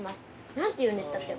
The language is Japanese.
何ていうんでしたっけ？